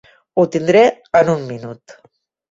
Ho tindré en un minut.